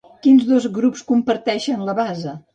Quins dos grups comparteixen la base?